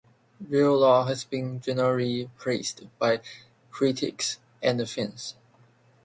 Rayla has been generally praised by critics and fans.